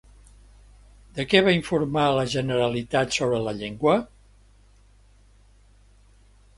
De què va informar la Generalitat sobre la llengua?